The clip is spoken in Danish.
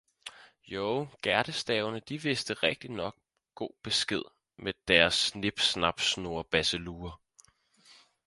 Jo gærdestavene de vidste rigtig nok god besked med deressnip snap snurrebasselurre